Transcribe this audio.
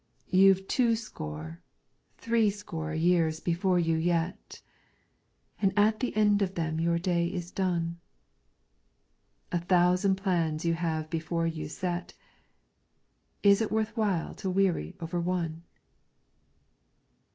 You 'vE two score, three score years before you yet, And at the end of them your day is done. A thousand plans you have before you set ; Is it worth while to weary over one